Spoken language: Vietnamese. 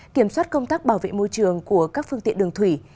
kiểm soát công tác bảo vệ môi trường của các phương tiện đường thủy